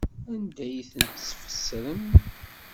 Anda ay tent-tfesrem?